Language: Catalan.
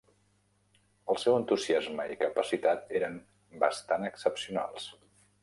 El seu entusiasme i capacitat eren bastant excepcionals.